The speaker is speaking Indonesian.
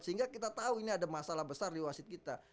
sehingga kita tahu ini ada masalah besar di wasit kita